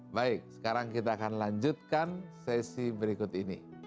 baik sekarang kita akan lanjutkan sesi berikut ini